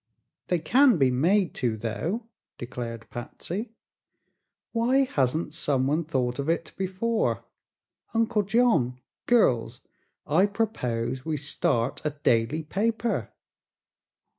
"They can be made to, though," declared Patsy. "Why hasn't some one thought of it before? Uncle John girls! I propose we start a daily paper."